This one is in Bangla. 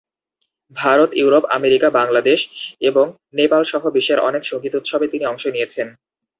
ভারত, ইউরোপ, আমেরিকা, বাংলাদেশ এবং নেপাল সহ বিশ্বের অনেক সংগীত উৎসবে তিনি অংশ নিয়েছেন।